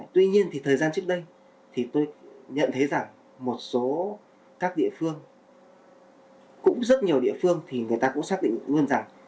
tuy nhiên thì thời gian trước đây thì tôi nhận thấy rằng một số các địa phương cũng rất nhiều địa phương thì người ta cũng xác định luôn rằng